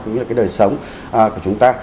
cũng như là cái đời sống của chúng ta